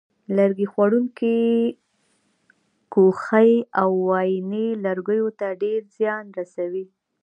لرګي خوړونکې کوخۍ او وایینې لرګیو ته ډېر زیان رسوي.